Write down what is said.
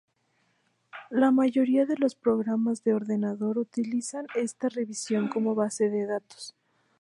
La mayoría de los programas de ordenador utilizan esta revisión como base de datos.